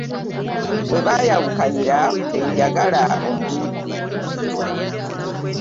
We baayawukanira we njagala ombuulire.